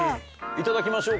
いただきましょうか。